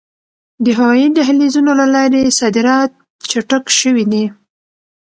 د هوایي دهلیزونو له لارې صادرات چټک شوي دي.